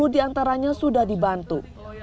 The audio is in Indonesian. lima puluh diantaranya sudah dibantu